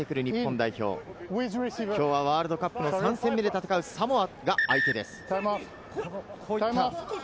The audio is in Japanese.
きょうはワールドカップの３戦目で戦うサモアが相手です。